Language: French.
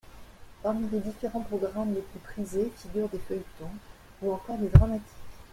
Parmi les différents programmes les plus prisés figurent des feuilletons ou encore des dramatiques.